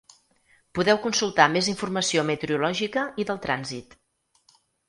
Podeu consultar més informació meteorològica i del trànsit.